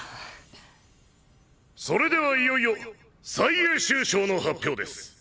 それではいよいよ最優秀賞の発表です。